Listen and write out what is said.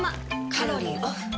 カロリーオフ。